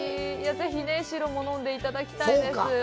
ぜひ白も飲んでいただきたいです。